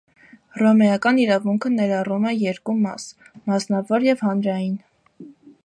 Հռոմեական իրավունքը ներառում է երկու մաս՝ մասնավոր և հանրային։